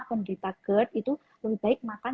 penderita gerd itu lebih baik makan